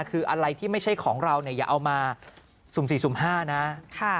คืออะไรที่ไม่ใช่ของเราเนี่ยอย่าเอามาสุ่ม๔สุ่ม๕นะ